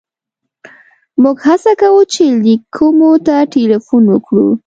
موږ هڅه کوو چې لېک کومو ته ټېلیفون وکړو.